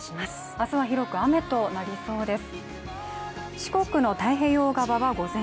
明日は広く雨となりそうです。